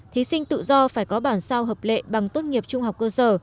thí sinh tự do phải có bản sao hợp lệ bằng tốt nghiệp trung học cơ sở